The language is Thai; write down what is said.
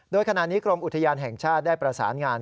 โดยขณะนี้กรมอุทยานแห่งชาติได้ประสานงาน